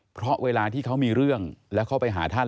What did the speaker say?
เพราะเวลาที่เขามีเรื่องแล้วเข้าไปหาท่าน